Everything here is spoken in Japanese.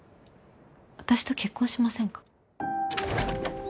私と結婚しませんか。